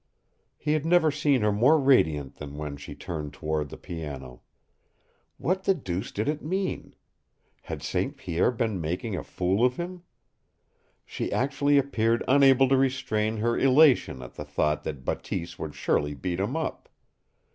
He had never seen her more radiant than when she turned toward the piano. What the deuce did it mean? Had St. Pierre been making a fool of him? She actually appeared unable to restrain her elation at the thought that Bateese would surely beat him up!